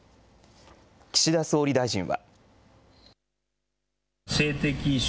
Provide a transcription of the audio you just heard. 岸田総理大臣は。